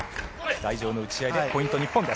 台上の打ち合いでポイント、日本で。